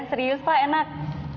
serius pak enak